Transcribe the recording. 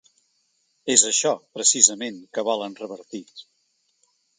És això, precisament, que volen revertir.